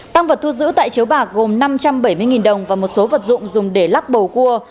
tăng vật thu giữ tại chiếu bạc gồm năm trăm bảy mươi đồng và một số vật dụng dùng để lắc bầu cua